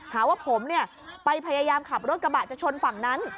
หาว่าผมไปพยายามขับรถกระบะจะชนฝั่งนั้น